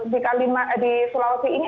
di sulawesi ini